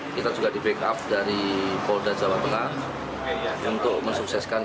kita juga di backup dari polda jawa tengah untuk mensukseskan